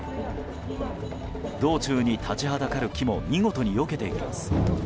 道中に立ちはだかる木も見事によけていきます。